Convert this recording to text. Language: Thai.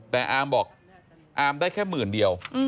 แต่อามบอกอามได้แค่หมื่นเดียว